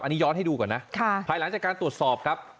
อันนี้ย้อนให้ดูก่อนนะภายหลังจากการตรวจสอบครับ